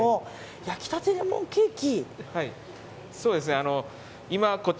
焼きたてレモンケーキ？